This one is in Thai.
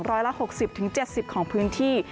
ร้อยละ๖๐๗๐ของพื้นที่